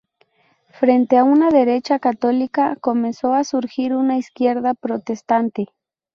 Frente a una derecha católica, comenzó a surgir una izquierda protestante.